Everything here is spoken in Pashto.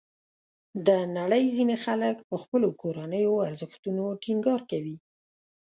د نړۍ ځینې خلک په خپلو کورنیو ارزښتونو ټینګار کوي.